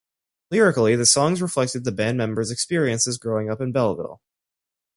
Lyrically the songs reflected the band members' experiences growing up in Belleville.